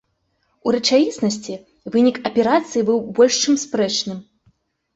У рэчаіснасці вынік аперацыі быў больш чым спрэчным.